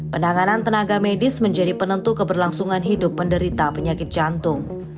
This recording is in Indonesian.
penanganan tenaga medis menjadi penentu keberlangsungan hidup penderita penyakit jantung